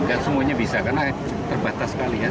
enggak semuanya bisa karena terbatas sekali ya